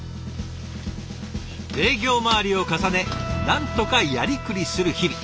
営業回りを重ねなんとかやりくりする日々。